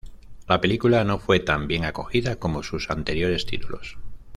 La película no fue tan bien acogida como sus anteriores títulos.